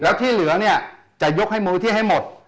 แล้วที่เหลือเนี่ยจะยกให้มูลที่ให้หมด